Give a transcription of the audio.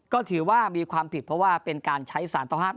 ก็ถือว่ามีความผิดเพราะว่าเป็นการใช้สารต้องห้าม